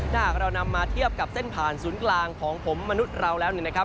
ถ้าหากเรานำมาเทียบกับเส้นผ่านศูนย์กลางของผมมนุษย์เราแล้วเนี่ยนะครับ